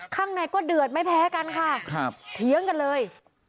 ข้างในก็เดือดไม่แพ้กันค่ะเถียงกันเลย